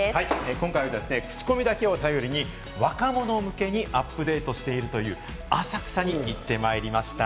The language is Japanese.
今回はクチコミだけを頼りに若者向けにアップデートしているという浅草に行ってまいりました。